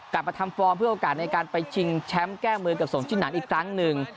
กลับมาทำฟอร์มเพื่อโอกาสในการไปชิงแชมป์แก้มือกับสงชินันอีกครั้งหนึ่ง